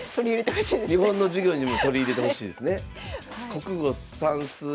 日本の授業にも取り入れてほしいですね。